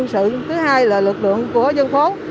quân sự thứ hai là lực lượng của dân phố